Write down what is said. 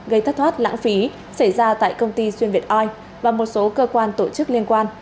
gây thất thoát lãng phí xảy ra tại công ty xuyên việt oi và một số cơ quan tổ chức liên quan